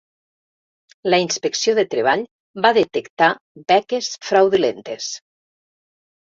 La Inspecció de Treball va detectar beques fraudulentes